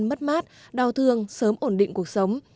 mất mát đau thương sớm ổn định cuộc sống